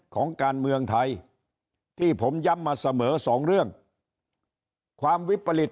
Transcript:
ของการเมืองไทยที่ผมย้ำมาเสมอสองเรื่องความวิปริต